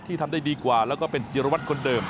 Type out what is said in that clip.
ทำได้ดีกว่าแล้วก็เป็นจิรวัตรคนเดิม